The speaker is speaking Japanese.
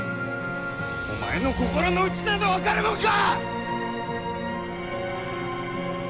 お前の心のうちなど分かるもんか！